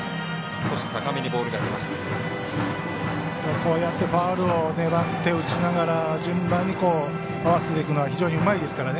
こうやってファウルを粘って打ちながら順番に合わせていくのは非常にうまいですからね。